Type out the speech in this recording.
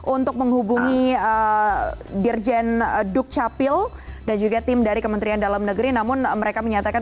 untuk menghubungi dirjen dukcapil dan juga tim dari kementerian dalam negeri namun mereka menyatakan